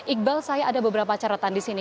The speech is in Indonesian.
iqbal saya ada beberapa catatan di sini